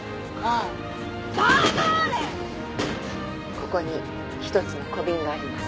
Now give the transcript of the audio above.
ここに１つの小瓶があります。